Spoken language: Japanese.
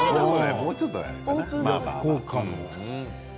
もうちょっとね。